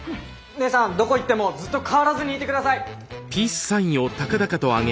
ねえさんどこ行ってもずっと変わらずにいて下さい！